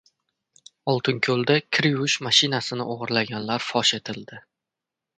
Oltinko‘lda kir yuvish mashinasini o‘g‘irlaganlar fosh etildi